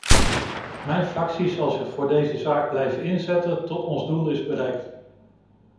Mijn fractie zal zich voor deze zaak blijven inzetten tot ons doel is bereikt.